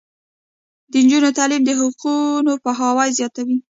د نجونو تعلیم د حقونو پوهاوی زیاتوي.